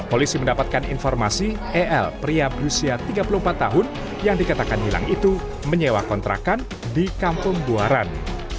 polisi mendapatkan informasi el pria berusia tiga puluh empat tahun yang dikatakan hilang itu menyewa kontrakan di kampung buaran